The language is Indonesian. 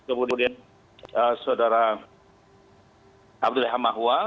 kemudian saudara abdul hamahwa